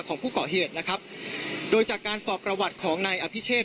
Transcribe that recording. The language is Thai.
ของผู้เกาะเหตุนะครับโดยจากการสอบประวัติของนายอภิเชษ